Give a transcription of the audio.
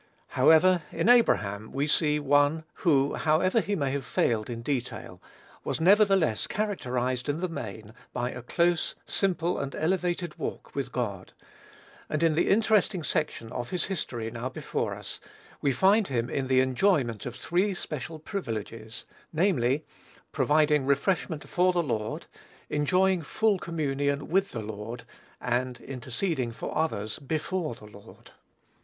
However, in Abraham we see one who, however he may have failed in detail, was nevertheless characterized in the main by a close, simple, and elevated walk with God; and in the interesting section of his history now before us, we find him in the enjoyment of three special privileges, namely, providing refreshment for the Lord, enjoying full communion with the Lord, and interceding for others before the Lord.